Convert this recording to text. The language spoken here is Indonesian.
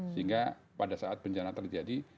sehingga pada saat bencana terjadi